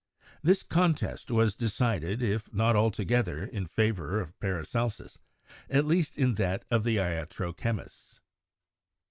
This contest was decided, if not altogether in favor of Paracelsus, at least in that of the iatro chemists.